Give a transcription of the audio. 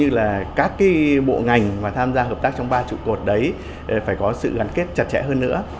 hành và tham gia hợp tác trong ba trụ cột đấy phải có sự gắn kết chặt chẽ hơn nữa